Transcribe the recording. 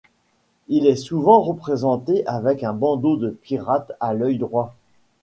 Il est souvent représenté avec un bandeau de pirate à l’œil droit.